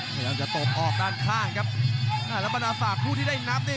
พยายามจะตบออกด้านข้างครับอ่าแล้วบรรดาฝากผู้ที่ได้นับนี่